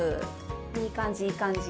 いい感じいい感じ。